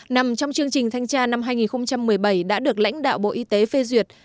nằm trong chương trình thanh tra năm hai nghìn một mươi bảy đã được lãnh đạo bộ y tế phê duyệt